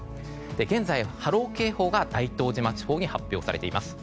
現在、波浪警報が大東島地方に発表されています。